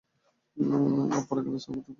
আর পরকালের সওয়াবতো অতি মহান।